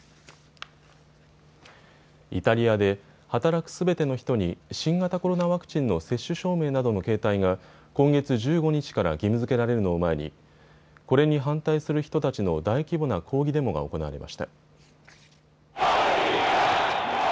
イタリアで働くすべての人に新型コロナワクチンの接種証明などの携帯が今月１５日から義務づけられるのを前にこれに反対する人たちの大規模な抗議デモが行われました。